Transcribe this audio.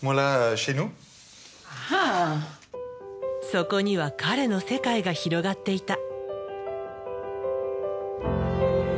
そこには彼の世界が広がっていた。